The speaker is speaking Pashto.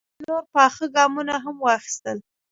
په دې برخه کې نور پاخه ګامونه هم واخیستل.